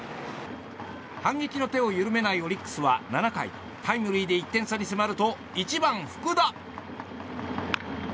反撃の手を緩めないオリックスは７回、タイムリーで１点差に迫ると１番、福田。